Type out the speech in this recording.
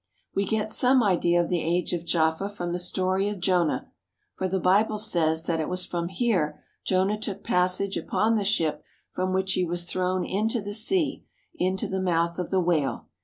We get some idea of the age of Jaffa from the story of Jonah; for the Bible says that it was from here Jonah took passage upon the ship from which he was thrown into the sea into the mouth of the whale.